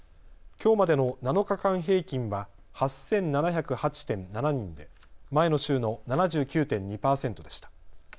きょうまでの７日間平均は８７０８．７人で前の週の７９．２％でした。